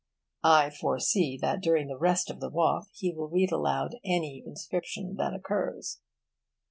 I foresee that during the rest of the walk he will read aloud any inscription that occurs.